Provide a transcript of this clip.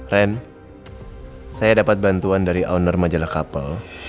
ren saya dapat bantuan dari owner majalah kapal